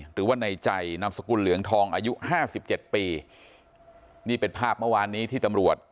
หรือว่าในใจนามสกุลเหลืองทองอายุห้าสิบเจ็ดปีนี่เป็นภาพเมื่อวานนี้ที่ตำรวจ